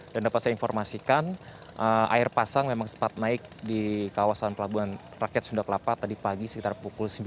dan dapat saya informasikan air pasang memang sempat naik di kawasan pelabuhan rakyat sunda kelapa tadi pagi sekitar pukul sembilan